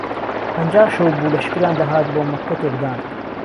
پهنجا شەو بوو لەشکریان دههات بۆ مهککه تێکدان